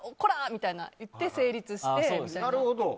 みたいに言って成立して。